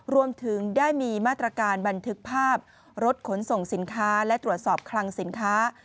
รวมถึงได้มีมาตรการบันทึกภาพรถขนส่งสินค้าและตรวจสอบคลังสินค้า